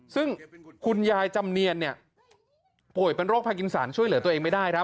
ซึ่งคุณยายจำเนียนป่วยเป็นโรคพากินสารช่วยเหลือตัวเองไม่ได้ครับ